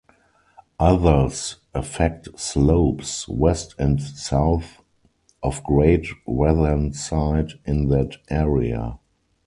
Others affect slopes west and south of Great Whernside in that area.